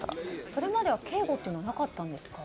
それまでは警護はなかったんですか？